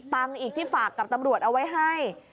เงินอีกที่ฝากกับบิทชายเอาไว้ให้